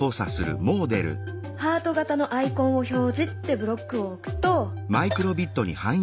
「ハート形のアイコンを表示」ってブロックを置くと。